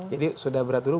jadi sudah berat dulu